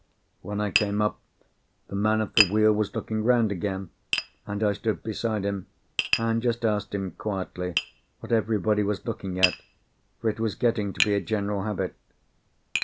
When I came up, the man at the wheel was looking round again, and I stood beside him and just asked him quietly what everybody was looking at, for it was getting to be a general habit.